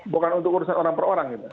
bukan untuk urusan orang per orang gitu